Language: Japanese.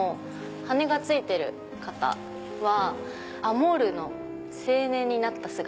羽がついている方はアモルの青年になった姿。